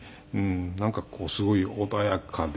なんかすごい穏やかで。